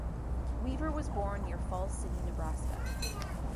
Weaver was born near Falls City, Nebraska.